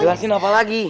jelasin apa lagi